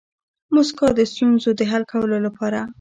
موسکا د ستونزو د حل کولو لپاره